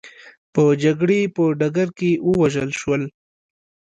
په جګړې په ډګر کې ووژل شول.